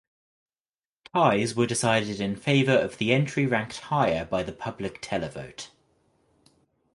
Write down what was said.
Ties were decided in favour of the entry ranked higher by the public televote.